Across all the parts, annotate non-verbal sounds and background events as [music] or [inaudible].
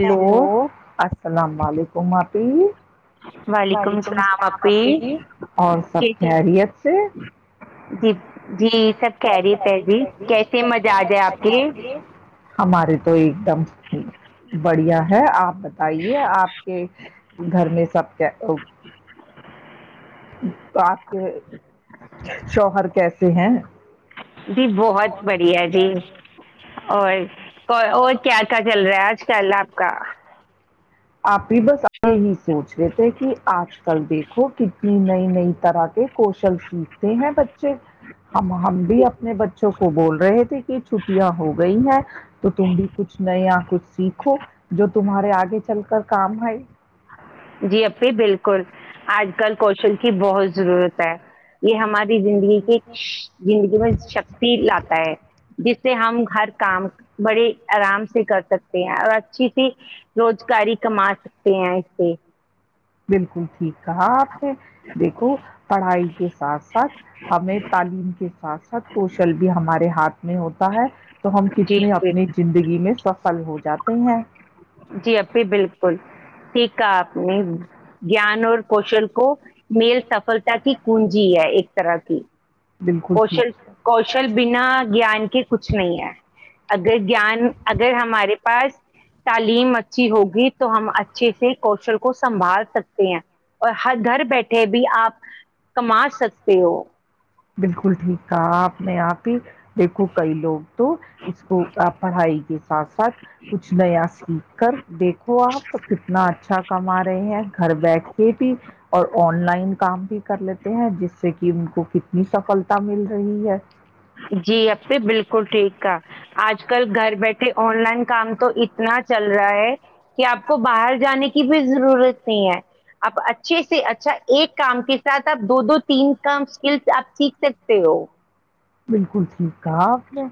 Hello اللام علیکم عافی وعلیکم السلام اللام اپی ابھی اور جی سب خیریت سے جی سب خیریت سے ابھی کیسے مزہ آ جائے آپ یہ ہمارے تو م [unintelligible] بڑھیا ہے آپ بتائیے آپ کے گھر میں سب کیا آپ کے شوہر کیسے ہیں بہت بڑھیا ج اور [unintelligible] اور کیا کیا چل رہا ہے آج کل آپ کا ہ [inaudible] آپ بھی بس ہی سوچ رہے تھے کہ آج کل دیکھو کتنی نئی نئی طرح کے کوشل سیکھتے ہیں بچے ہم ہم بھی جی اپنے بچے کو بول رہے تھے کہ چھٹیاں ہو گئی ہیں تو تم بھی کچھ نیا یا کچھ سیکھو جو تمہارے آگے چ چل کر کام ہے جی اپھی بالکل آج کل کوشل کی بہت ضرورت ہے یہ ہماری زندگی کی زندگی میں شکتی لاتا ہے جس سے ہم ہر کام بڑے آرام سے کر سکتے ہیں اور اچھی سی روزگاری کما سکتے ایی [unintelligible] بالکل [unintelligible] کہا آپ نے دیکھو پڑھائی کے ساتھ ساتھ ہمیں تعلیم کے ساتھ ساتھ کوشل بھی ہمارے ہاتھ [unintelligible] میں ہوتا ہے [unintelligible] تو ہم کتنے جی اپنی زندگی میں سفل ہو جاتے ہیں کا اپنے جان اور کوشل کو میل سفلتا کی کنجی ہے ایک ترااکی [unintelligible] بالکل کوشل ٹھیک کوشل بنا گیان کے کچھ نہیں ہے اگر گان اگر ہمارے پاس تعلیم اچھی ہوگی تو ہم اچھے سے کوشل کو سنبھال سکتے ہیں اور ہر گھر بیٹھے بھی آپ کما سکتے ہو ہیں. بالکل ٹھیک تھا آپ نے آپ ہی دیکھو کئی لوگ تو اس کو پڑھائی کے ساتھ ساتھ کچھ نیا سیکھ کر دیکھو آپ کتنا اچھا کما رہے ہیں گھر بیٹھ کے بھی اور آن لائن کام بھی کر لیتے ہیں جس سے ان کو کتنے [unintelligible] نی سفلتا مل رہی ہے جی اب سے بالکل ٹھیک ہے آج کل گھر بیٹھے آن لائن کام تو اتنا چل رہا ہے کہ آپ کو باہر جانے کی کی بھی ضرورت نہیں ہے آپ اچھے سے اچھا ایک کام کے ساتھ آپ دو دو تین کام اسکل آپ سیکھ سکتے ہو بالکل ٹھیک تھا آپ نے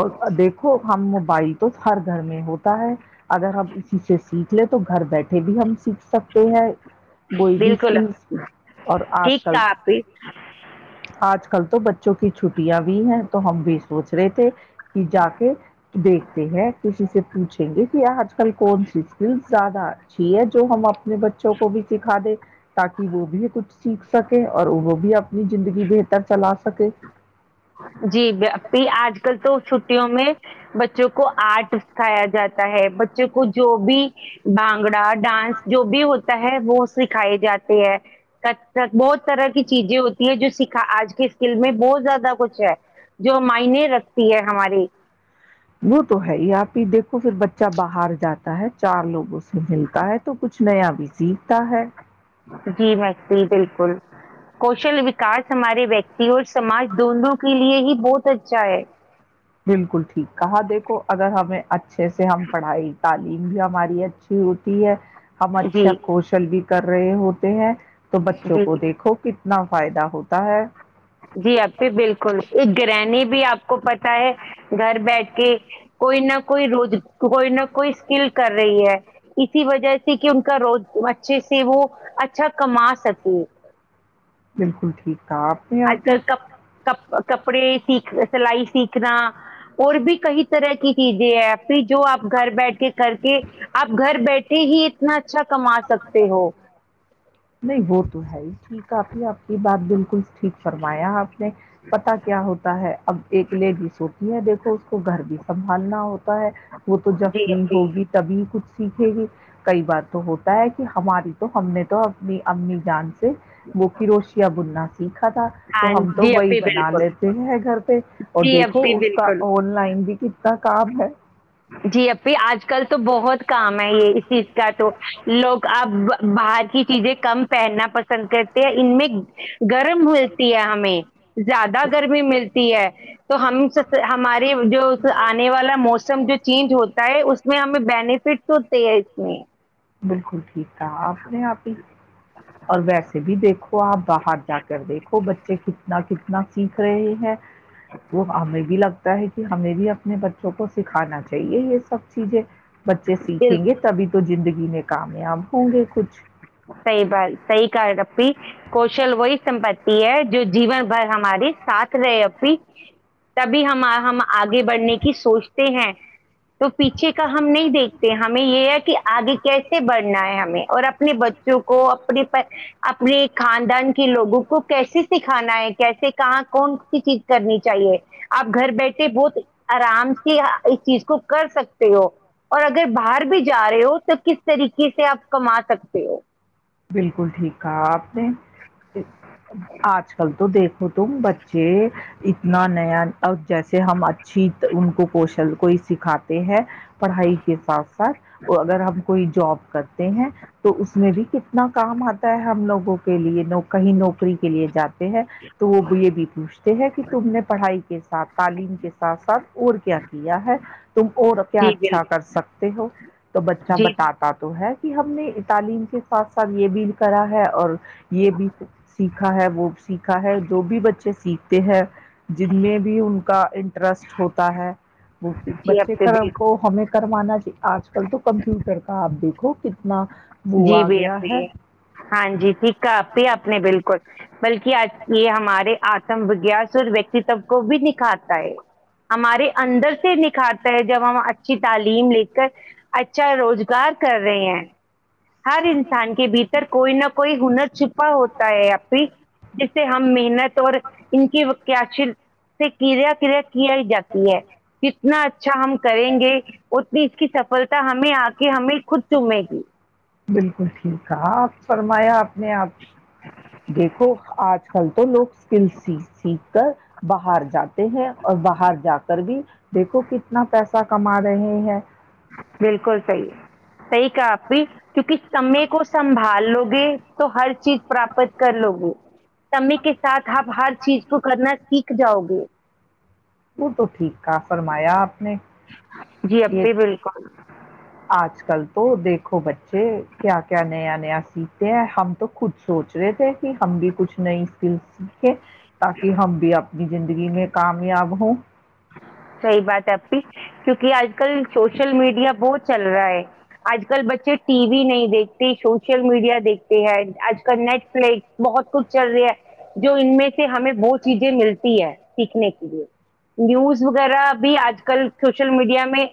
اور دیکھو ہم موبائک تو ہر گھر میں ہوتا ہے اگر ہم اسی سے [unintelligible] سیکھ لے تو گھر بیٹھے بھی ہم سیکھ سکتے ہیں کوئی بھی بالکل اسکلس اور آج ٹھیک کل کہا آپ نے آج کل تو بچے چونک چھٹی بھی ہیں تو ہم بھی سوچ رہے تھے جا کے دیکھتے ہیں کسی سے اچھ گی پ ہے حج کل کون سی چز زیادہ ا جو ہم اپنے بچوں کو بھی سکھا دے تاکہ وہ بھی کچھ سیکھ سکیں اور وہ بھی اپنی زندگی بہتر چلا سک سکے جیی آج کل تو چھٹیوں میں بچوں کو آرٹ سکھایا جاتا ہے بچوں کو جو بھی بانگڑا ڈانس جو بھی ہوتا ہے وہ سکھائے جاتے ہیں بہت طرح کی چیزیں ہوتی ہے جو سکھا آج کے اسکل میں بہت زیادہ کچھ جو معائنے رکھتی ہے ہماری وہ تو ہے پ ہی دیکھو پھر بچہ باہر جاتا ہے چار لوگوں سے ملتا ہے تو کچھ نیا بھی سیکھتا ہے جی مری بالکل کوشل وکاس ہمارے ویکتی اور سماج دونوں کے لیے ہی بہت اچھا ہے بالکل ٹھیک کہا دیکھو اگر ہمیں اچھے سے ہم پڑھائے تعلیم بھی ہماری اچھی ہوتی ہے ہم جی اچھا کوشل بھی کر رہے ہوتے ہیں تو بچوں جی کو دیکھو ک نہ فائدہ ہوتا ہے جی آبھی بالکل کرنی بھی آپ کو پتا ہے گھر بیٹھ کے کوئی نہ کوئی روز کوئی نہ کوئی اسکل کر رہی ہے اسی وجہ سے کہ ان کا روز اچھے سے وہ اچھا کما سکے بالکل ٹھیک کہا آپ نے یہاں آج پہ کل کپ ک کپڑے سیکھ سلائی سیکھنا اور بھی کئی طرح کی چیزیں ہیں پھر جو آپ گھر بیٹھ کے کر کے آپ گھر بیٹھے ہی اتنا اچھا کما سکتے ہو نہیں وہ تو ہے ہی ٹھیک آپ ہی آپ کی بات بالکل ٹھیک فرمایا آپ نے پتا کیا ہوتا ہے اب ایک لیڈیز ہوتی ہے دیکھو اس کو گھر بھی سبھان نہ ہوتا ہے وہ تو جب جی فری اپی ہوگی تبھی کچھ سیکھے گی کئی بار تو ہوتا ہے کہ ہماری تو ہم نے تو اپنی امی جان سے بک روشیاب النا سیکھا تھا تو ہاں ہم تو جی وہی اپی بنا بالکل لیتے ہیں گھر پہ اور جی دیکھو اپی اس کا بالکل آن لائن بھی کتنا کا کام ہے جی اھی آج کل تو بہت کام ہے یہ اس چیز کا تو لوگ اب باہر کی چیزیں کم پہننا پسند کرتے ہیں ان میں گرم ملتی ہے ہمیں زیادہ گرمی ملتی ہے تو ہم ہمارے جو آنے والا موسم جو چینج ہوتا ہے اس میں ہمیں بینیفٹ ستی اتمی [unintelligible] بالکل ٹھیک تھا آپ نے آپ ہی اور ویسے بھی دیکھو آپ باہر جا کر دیکھو بچے کتنا کتنا سیکھ رہے ہیں وہ ہمیں بھی لگتا ہے ہمیں بھی اپنے بچوں کو سکھانا چاہیے یہ سب چیزیں بچے سیکھیں گے تبھی تو زندگی میں کامیاب ہوں گے کچھ سہ بال سی کاارڈ [unintelligible] کوشل وہی سمپتی ہے جو جیون بھر ہمارے ساتھ رہے ا بھی تبھی ہم ہم آگے بڑھنے کی سوچتے ہیں تو پیچھے کا ہم نہیں دیکھتے ہمیں یہ ہے کہ آگے کیسے بڑھنا ہے ہمیں اور اپنے ب بوں کو اپنے اپنے خاندان کے لوگوں کو کیسے سکھانا ہے کیسے کہاں کون سی چیز کرنی چاہیے آپ گھر بیٹھے بہت آرام سے اس چیز کو کر سکتے ہو اور اگر باہر بھی جا رہے ہو تو کس طریقے سے آپ کما سکتے ہو بالکل ٹھیک ٹھاک آج کل تو دیکھ تم بچے اتنا نیا اور جیسے ہم اچھی ان کو کوشل کوئی سکھاتے ہیں پڑھائی کے ساتھ ساتھ اگر ہم کوئی جاب کرتے ہیں تو اس میں بھی کتنا کام آتا ہے ہم لوگوں کو کے لیے کہیں نوکری کے لیے جاتے تو وہ یہ بھی پوچھتے ہیں کہ تم نے پڑھائی کے ساتھ تعلیم کے ساتھ ساتھ اور کیا کیا ہے تم اور کیا جی اچھا بالکل کر سکتے ہو تو بچہ جی بتاتا تو ہے ہم نے اتالم کے ساتھ ساتھ یہ بھیل کرا ہے اور یہ بھی سیکھا ہے وہ سیکھا ہے جو بھی بچے سیکھ ت ہے [inaudible] جن میں بھی ان کا انٹرسٹ ہوتا ہے وہ جی بچے اپی کا بالکل کو ہمیں کروانا جی آج کل تو کمپیوٹر کا آپ دیکھ کوک [unintelligible] نہ بوا جی بھی [unintelligible] ہاں جی ٹھیک ہے آپ ہی اپنے بالکل بلکہ آج یہ ہمارے آتم وگاس اور ویکتو کو بھی نکھاتا ہے ہمارے اندر سے نک کھاتا ہے جب ہم اچھی تعلیم لے کر اچھا روزگار کر رہے ہیں ہر انسان کے بھیتر کوئی نہ کوئی ہنر چھپا ہوتا ہے ا بھی جس سے ہم محنت اور ان کیقچی سے کریا کریا کیا ہی جات ہے کہ اتنا اچھا ہم کریں گے اتنی اس کی سفلتا ہمیں آ کے کہ ہمیں خود چومے گی بالکل ٹھیک ہے آپ فرمایا آپ نے آپ دیکھو آج کل تو لوگ اسکل سیکھ تو باہر جاتے ہیں اور باہر جا کر بھی دیکھو کتنا پیسہ کما رہے ہیں بالکل صحیح ہے صحیح آپ بھی کیونکہ سمے کو سنبھال لو گے تو ہر چیز پراپت کر لو گے سمی کے ساتھ آپ ہر چیز کو کرنا سیکھ جاؤ گے وہ تو ٹھیک کہ فرمایا آپ نے جی یہ اپی بالکل آج کل تو دیکھو بچے کیا کیا نیا سیکھتے ہیں ہم تو خود سوچ رہے تھے کہ ہم بھی کچھ نئی اسکل سیکھے تاکہ ہم بھی اپنی زندگی میں کامیاب ہوں سی بات اھی کیونکہ آج کل سوشل میڈیا بہت چل رہا ہے آج کل بچے ٹی وی نہیں دیکھتے سوشل میڈیا دیکھتے ہیں آج کل نیٹ فلکس بہت کچھ چل رہی ہے جو ان میں سے ہمیں بہت چیزیں ملتی ہے سیکھنے کے لیے نیوز وغیرہ بھی آج کل سوشل میڈیا میں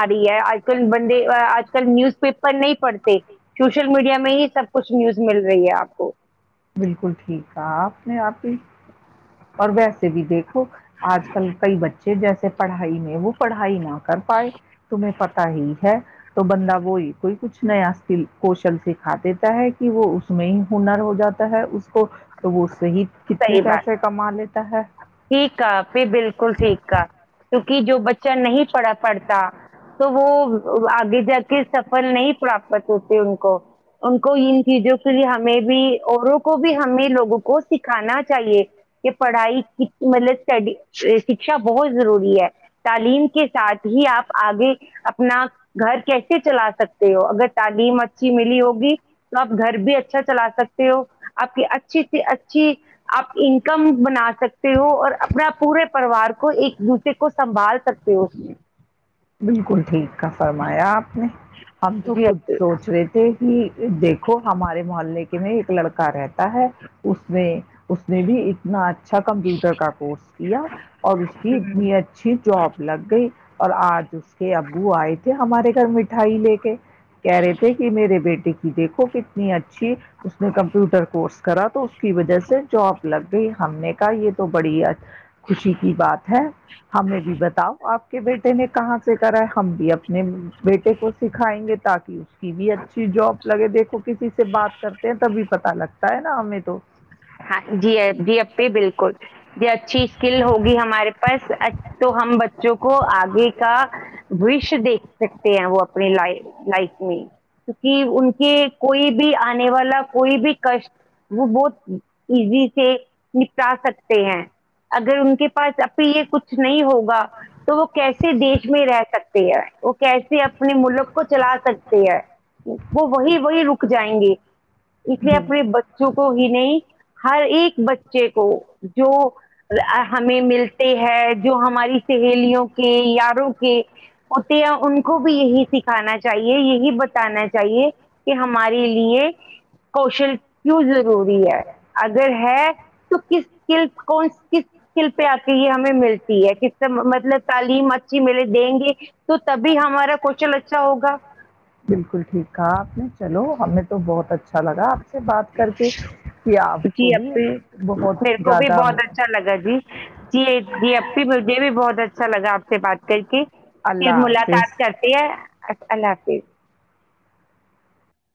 آ رہی ہے آج کل بندے آج کل نیوز پیپر نہیں پڑھتے سوشل میڈیا میں ہی سب کچھ نیوز مل رہی ہے آپ کو بالکل ٹھیک ہے آپ نے آپ ہی اور ویسے بھی دیکھو آج کل کئی بچے جیسے پڑھائی میں وہ پڑھائی نہ ہوتی کر پائے تمہیں پتا ہی ہے تو بندہ وہی کوئی کچھ نیا اسکل کوشل سکھا دیتا ہے کہ وہ اس میں ہی ہنر ہو جاتا ہے اس کو تو وہ اس سے ہی کتنے صحی بات پیسے کما لیتا ہے ٹھیک ہے پ بالکل ٹھیک ہے کہ جو بچہ نہیں پڑا پڑتا تو وہ آگے جا کے سفل نہیں پراپت ہوتے ان کو ان کو ان چیزوں کے لی ہمیں بھی اوروں کو بھی ہمیں لوگ لوگ کو سکھانا چاہیے کہ پڑھائی مطلبی شکھا بہت ضروری ہے تعلیم کے ساتھ ہی آپ آگے اپنا گھر کیسے چلا سکتے ہو اگر تعلیم ملی ہوگی تو آپ گھر بھی اچھا چلا سکتے ہو آپ کی اچھ اچھی آپ انکم بنا سکتے ہو اور اپنا پورے پریوار کو ایک دوسرے کو سنبھال سکتے ہو بالکل ٹھیک کا فرمایاپ ہم تو خود جی سوچ رہے تھے کہ دیکھو ہمارے محلے کے کی میں ایک لڑکا رہیا ہے اس نے اس نے بھی اتنا اچھا کمپیوٹر کا کورس کیا اور اس کی اتنی اچھی جاب لگ گئی اور آج اس کے ابو آئے تھے ہمارے مٹھائی لے کے کہہ رہے تھے کہ میرے بیٹے کی دیکھو کتنی اچھی اس نے کمپیوٹر کورس کرا تو اس کی وجہ سے جاب لگ گئی ہم نے کہ یہ تو بڑی اچھھی خوشی کی بات ہے ہمیں بھی بتا آپ کے بیٹے نے کہاں سے کہ ہے ہم بھی اپنے بیٹے کو سکھائیں گے تاکہ اس کی بھی اچھی جاب لگے دیکھو کہ کسی سے بات کرتے ہیں تبھی پتا لگتا ہے نا امی تو ہاں جی ا جی اب بھی بالکل جی اچھی اسکل ہوگی ہمارے پاس تو ہم جو کو آگے کا وش دیکھ سک ہیں وہ اپنی ل لائف میں کیونکہ ان کے کوئی بھی آنے والا کوئی بھی کسٹ وہ بہت ایزی سے نپٹا سکتے ہیں اگر ان کے پاس ابھی یہ کچھ نہیں ہو تو وہ کیسے دیش میں رہ سکتے ہیںے کیسے اپنے ملک کو چلا سکتی ہے وہ وہی وہی رک جائیں گی اس لیے اپنے بچوں کو ہی نہیں ہر ایک بچے کو جو ہمیں ملتے ہے جو ہماری سہیلیوں کے یاروں کے ہوتے ہیں ان کو بھی یہی سکھانا چاہیے یہی بتانا چاہیے کہ ہمارے لیے کوشل کیوں ضروری ہے ہے تو کس اسکل کون کس اسکل پہ آ کے یہ ہمیں ملتی ہے کس سے مطلب تعلیم اچھی ملے دیں گے تو تبھی ہمارا کوشن اچھا ہوگا بالکل ٹھیک کہا آپ نے چلو ہمیں تو بہت اچھا لگا آپ سے بات کر کے کہ آپ جی کو ا بھی بہت میرے کو بھی زیادہ بہت اچھا لگا جی جی جی اب بھی مجھے بھی ب بہت اچھا لگا آپ سے بات کر کے پھر اللہ حافظ ملاقات کرتی ہے اللہ حافظ